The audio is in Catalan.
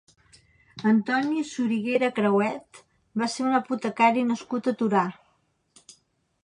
Antoni Soriguera Crehuet va ser un apotecari nascut a Torà.